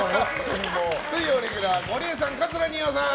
水曜レギュラーゴリエさん、桂二葉さん！